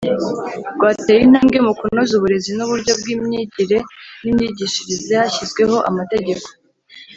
Rwateye intambwe mu kunoza uburezi n uburyo bw imyigire n imyigishirize hashyizweho amategeko